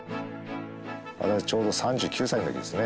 あれはちょうど３９歳の時ですね。